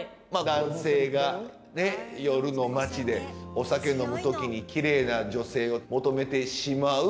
男性がねっ夜の街でお酒飲む時にきれいな女性を求めてしまう。